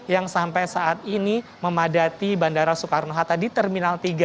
yang sampai saat ini memadati bandara soekarno hatta di terminal tiga